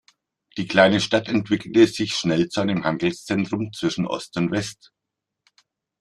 Die kleine Stadt entwickelte sich schnell zu einem Handelszentrum zwischen Ost und West.